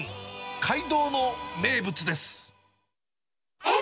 街道の名物です。